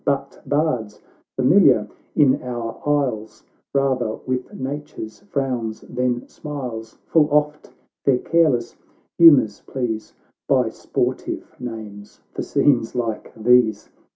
But bards, familiar in our isles Eather with Nature's frowns than smiles, Full oft their careless humours please By sportive names for scenes like these.